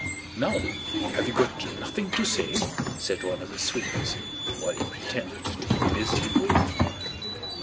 "Now, have you got nothing to say?" said one of the swindlers, while he pretended to be busily weaving.